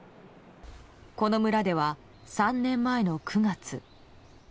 この村では３年前の９月。